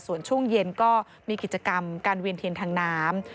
ส่วนช่วงเย็นก็มีกิจกรรมการเวียนเทียนทางน้ำ